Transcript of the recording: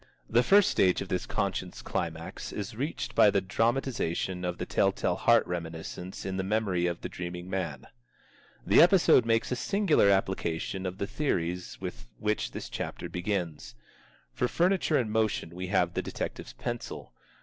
The first stage of this conscience climax is reached by the dramatization of The Tell tale Heart reminiscence in the memory of the dreaming man. The episode makes a singular application of the theories with which this chapter begins. For furniture in motion we have the detective's pencil.